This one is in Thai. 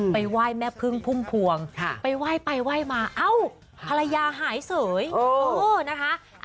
ไหว้แม่พึ่งพุ่มพวงไปไหว้ไปไหว้มาเอ้าภรรยาหายเสยนะคะ